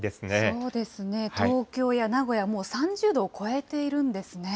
そうですね、東京や名古屋、もう３０度超えているんですね。